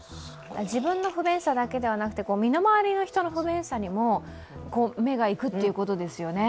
自分の不便さだけではなくて、身の回りの人の不便さにも目がいくってことですよね。